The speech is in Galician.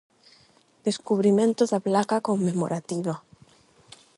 Descubrimento da placa conmemorativa.